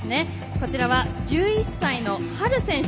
こちらは１１歳のＨａｒｕ選手。